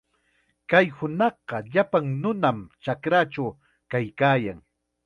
Kay hunaqqa llapan nunam chakrachaw kaykaayan.